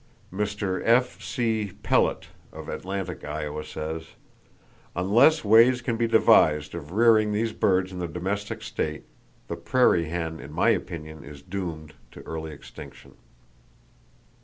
Mr. F.C. Pellett, of Atlantic, Iowa, says: "Unless ways can be devised of rearing these birds in the domestic state, the prairie hen in my opinion is doomed to early extinction."